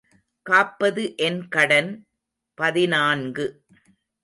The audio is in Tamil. காப்பது என் கடன் பதினான்கு .